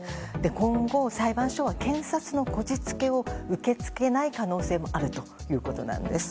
今後、裁判所は検察のこじつけを受け付けない可能性があるということなんです。